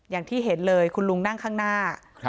อย่างที่เห็นเลยคุณลุงนั่งข้างหน้า